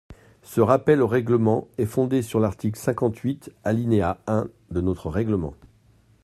Ce rappel au règlement est fondé sur l’article cinquante-huit, alinéa un de notre règlement.